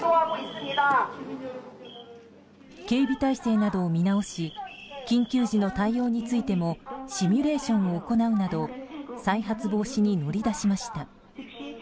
警備体制などを見直し緊急時の対応についてもシミュレーションを行うなど再発防止に乗り出しました。